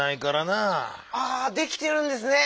ああできてるんですね！